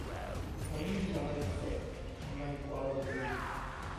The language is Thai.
วันนี้มีอะไรพิเศษ ทำไมดูอารมณ์ดี